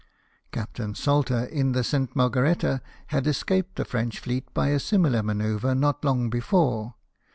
Captain Salter, in the St. Margaretta, had escaped the French fleet by a similar manoeuvre not long before.